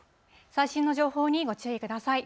最新の情報にご注意ください。